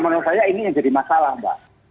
menurut saya ini yang jadi masalah mbak